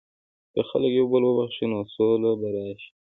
که خلک یو بل وبخښي، نو سوله به راشي.